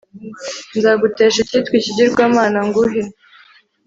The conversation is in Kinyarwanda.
nzagutesha icyitwa ikigirwamana, nguhe